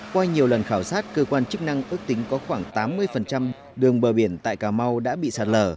qua nhiều lần khảo sát cơ quan chức năng ước tính có khoảng tám mươi đường bờ biển tại cà mau đã bị sạt lở